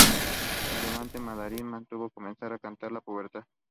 El diamante mandarín macho comienza a cantar en la pubertad.